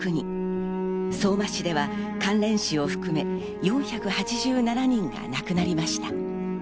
相馬市では関連死を含め４８７人が亡くなりました。